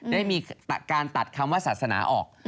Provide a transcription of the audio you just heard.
ได้มีการตัดคำว่าศาสนาออก